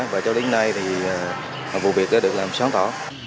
và cho đến nay thì vụ việc đã được làm sáng tỏ